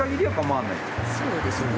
そうですね。